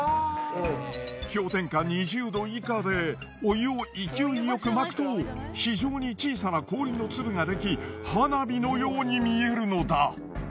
氷点下２０℃以下でお湯を勢いよくまくと非常に小さな氷の粒ができ花火のように見えるのだ。